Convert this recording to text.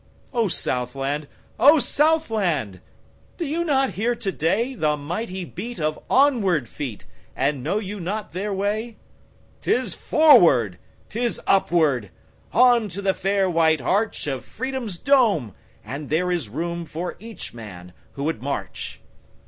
O Southland! O Southland! Do you not hear to dayThe mighty beat of onward feet, And know you not their way?'Tis forward, 'tis upward, On to the fair white archOf Freedom's dome, and there is roomFor each man who would march.